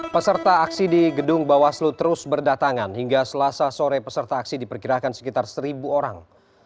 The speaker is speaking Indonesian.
peserta aksi di gedung bawaslu terus berdatangan hingga selasa sore peserta aksi diperkirakan sekitar seribu orang